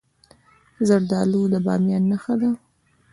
زردالو د بامیان نښه ده.